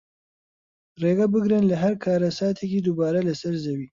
ڕێگەبگرن لە هەر کارەساتێکی دووبارە لەسەر زەوی